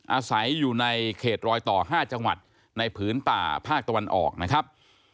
อาศัยอยู่ในเขตรอยต่อ๕จังหวัดในผืนป่าภาคตะวันออกนะครับ